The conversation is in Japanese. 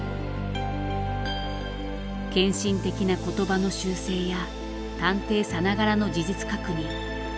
献身的な言葉の修正や探偵さながらの事実確認。